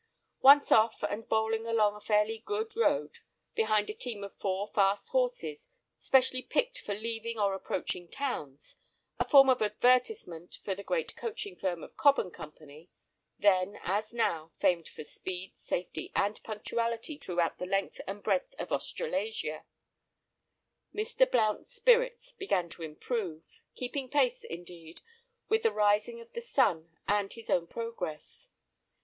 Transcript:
Once off and bowling along a fairly good road behind a team of four fast horses, specially picked for leaving or approaching towns, a form of advertisement for the great coaching firm of Cobb and Co. (then, as now, famed for speed, safety and punctuality throughout the length and breadth of Australasia), Mr. Blount's spirits began to improve, keeping pace, indeed, with the rising of the sun and his own progress.